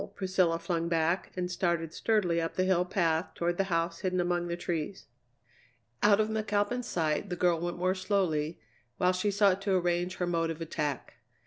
Priscilla flung back, and started sturdily up the hill path toward the house hidden among the trees. Out of McAlpin's sight, the girl went more slowly, while she sought to arrange her mode of attack.